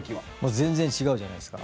全然違うんじゃないですか。